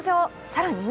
更に